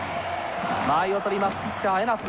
間合いを取りますピッチャー江夏。